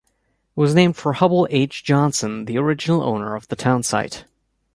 It was named for Hubbell H. Johnson, the original owner of the town site.